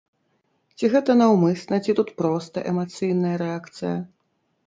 Ці гэта наўмысна ці тут проста эмацыйная рэакцыя?